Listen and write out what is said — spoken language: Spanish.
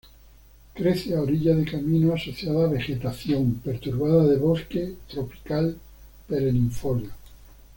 Crece a orilla de caminos, asociada a vegetación perturbada de bosque tropical perennifolio.